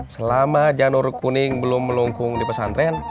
selama janur kuning belum melengkung di pesantren